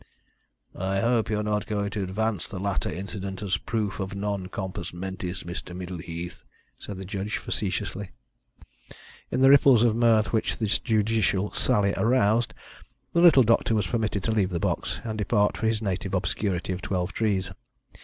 "I hope you are not going to advance the latter incident as a proof of non compos mentis, Mr. Middleheath," said the judge facetiously. In the ripples of mirth which this judicial sally aroused, the little doctor was permitted to leave the box, and depart for his native obscurity of Twelvetrees.